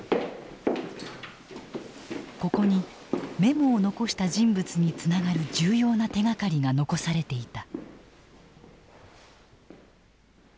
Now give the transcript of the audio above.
ここにメモを残した人物につながる重要な手がかりが残されていた。